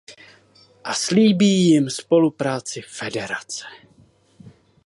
A slíbí jim spolupráci Federace.